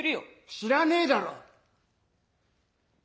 「知らねえだろ！」。